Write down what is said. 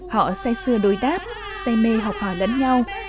họ say xưa đối đáp say mê học hòa lẫn nhau